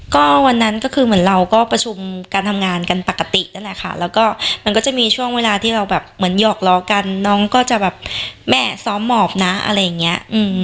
ก็วันนั้นก็คือเหมือนเราก็ประชุมการทำงานกันปกตินั่นแหละค่ะแล้วก็มันก็จะมีช่วงเวลาที่เราแบบเหมือนหยอกล้อกันน้องก็จะแบบแม่ซ้อมหมอบนะอะไรอย่างเงี้ย